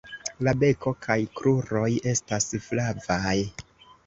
La beko kaj kruroj estas flavaj.